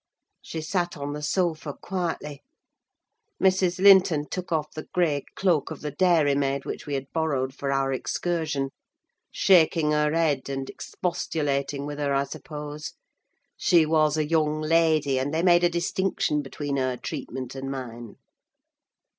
She sat on the sofa quietly. Mrs. Linton took off the grey cloak of the dairy maid which we had borrowed for our excursion, shaking her head and expostulating with her, I suppose: she was a young lady, and they made a distinction between her treatment and mine.